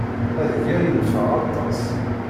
Adeg-a yenfeɛ aṭas.